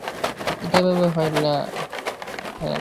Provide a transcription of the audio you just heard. এটা এভাবে হয় না হ্যানাহ।